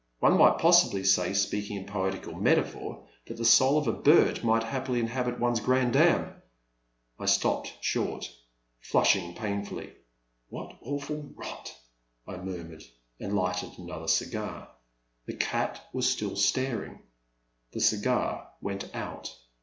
One might possibly say, speaking in poetical metaphor, that the soul of a bird might happily inhabit one's grandam —" I stopped short, flushing painfully. What awful rot !I murmured, and lighted another cigar. The cat was still staring ; the cigar went out.